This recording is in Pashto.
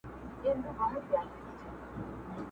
زه په خپل ځان کي بندي د خپل زندان یم!!